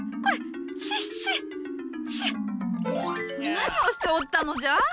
何をしておったのじゃ？